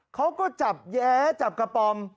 เขาก็จับแย้จับกระป๋อม